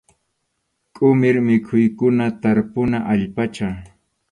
Qʼumir mikhuykuna tarpuna allpacha.